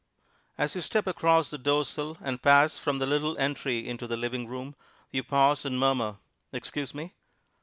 As you step across the doorsill and pass from the little entry into the "living room," you pause and murmur, "Excuse me."